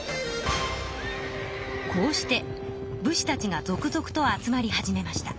こうして武士たちが続々と集まり始めました。